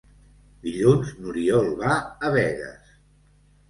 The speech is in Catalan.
Dilluns n'Oriol va a Begues.